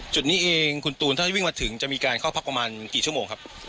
จุดนี้เองคุณตูนถ้าวิ่งมาถึงจะมีการเข้าพักประมาณกี่ชั่วโมงครับ